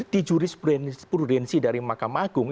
di jurisprudensi dari mahkamah agung